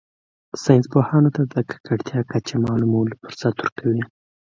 ساینس پوهانو ته د ککړتیا کچه معلومولو فرصت ورکوي